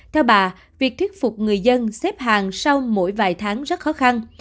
theo bà việc thuyết phục người dân xếp hàng sau mỗi vài tháng rất khó khăn